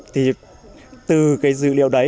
thì từ dữ liệu đấy